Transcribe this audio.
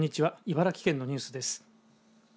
茨城県のニュースです。